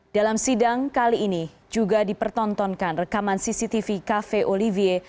dalam sidang kali ini juga dipertontonkan rekaman cctv cafe olivier